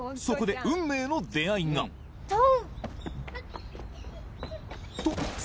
そこで運命の出会いがトウッ！